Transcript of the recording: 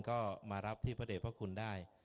ก็มารับที่พระเด็จพระคุณได้